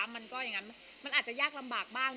มันอาจจะยากลำบากบ้างด้วย